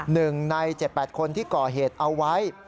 หนึ่งใน๗๘คนที่ก่อเหตุเอาไว้